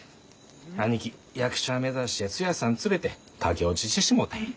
兄貴役者目指してツヤさん連れて駆け落ちしてしもうたんや。